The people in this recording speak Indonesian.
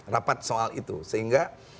rapat soal itu sehingga